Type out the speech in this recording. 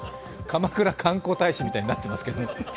鎌倉観光大使みたいになってますけど。